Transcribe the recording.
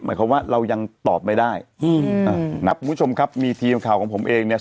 หมายความว่าเรายังตอบไม่ได้อืมอ่านะครับคุณผู้ชมครับมีทีมข่าวของผมเองเนี่ย